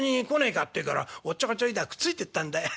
ってえからおっちょこちょいだくっついてったんだよ。